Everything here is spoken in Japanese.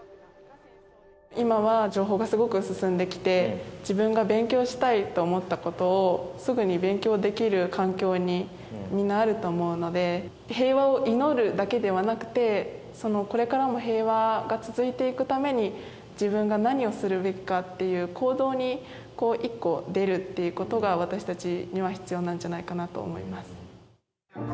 今は情報がすごく進んできて、自分が勉強したいと思ったことを、すぐに勉強できる環境にみんなあると思うので、平和を祈るだけではなくて、これからも平和が続いていくために、自分が何をするべきかっていう行動に一個出るっていうことが、私たちには必要なんじゃないかなと思います。